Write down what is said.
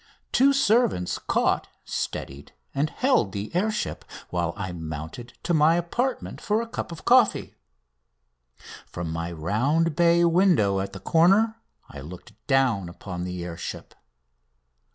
Two servants caught, steadied, and held the air ship, while I mounted to my apartment for a cup of coffee. From my round bay window at the corner I looked down upon the air ship.